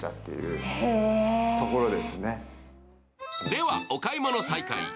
ではお買い物再開。